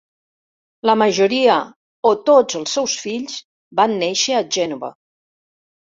La majoria o tots els seus fills van néixer a Gènova.